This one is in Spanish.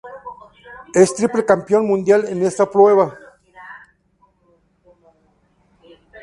Es triple campeón mundial en esta prueba.